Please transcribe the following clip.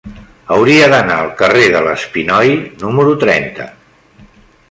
Hauria d'anar al carrer de l'Espinoi número trenta.